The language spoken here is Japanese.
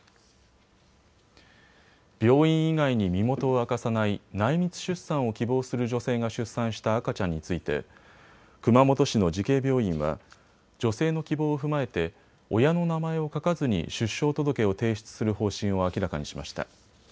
病院以外に身元を明かさない内密出産を希望する女性が出産した赤ちゃんについて熊本市の慈恵病院は女性の希望を踏まえて親の名前を書かずに出生届を提出する方針を明らかにしました。